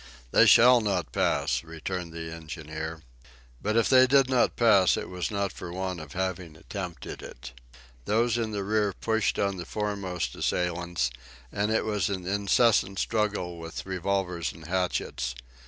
"They shall not pass!" returned the engineer. But if they did not pass it was not for want of having attempted it. Those in the rear pushed on the foremost assailants, and it was an incessant struggle with revolvers and hatchets.